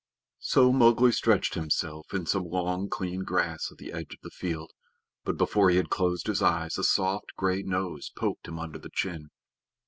So Mowgli stretched himself in some long, clean grass at the edge of the field, but before he had closed his eyes a soft gray nose poked him under the chin.